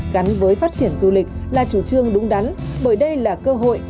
gắn với phát triển du lịch là chủ trương đúng đắn bởi đây là cơ hội